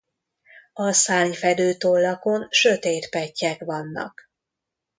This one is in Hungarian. A szárnyfedő tollakon sötét pettyek vannak.